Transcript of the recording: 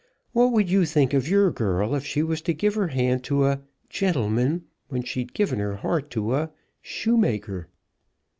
What would you think of your girl, if she was to give her hand to a gentleman, when she'd given her heart to a shoemaker?"